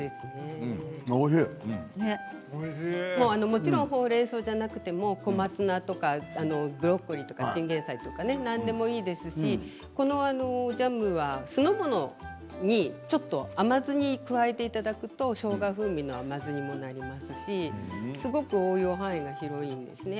もちろんほうれんそうじゃなくても小松菜とかブロッコリーとかちんげん菜とか何でもいいですしこのジャムは酢の物に甘酢に加えていただくとしょうが風味の甘酢にもなりますしすごく応用範囲が広いですね。